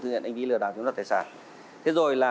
thực hiện anh vi lừa đảo chúng ta tài sản thế rồi là